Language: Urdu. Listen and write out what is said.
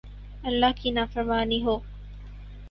، اللہ کی نافرمانی ہو